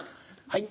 はい。